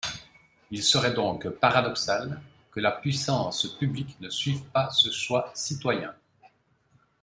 Il serait donc paradoxal que la puissance publique ne suive pas ce choix citoyen.